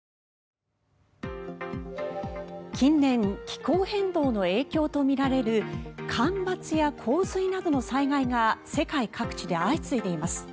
近年気候変動の影響とみられる干ばつや洪水などの災害が世界各地で相次いでいます。